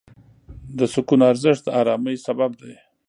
د سکون ارزښت د آرامۍ سبب دی.